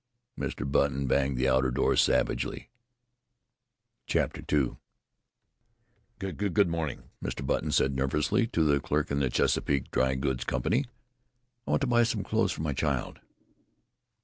Mr. Button banged the outer door savagely.... II "Good morning," Mr. Button said nervously, to the clerk in the Chesapeake Dry Goods Company. "I want to buy some clothes for my child."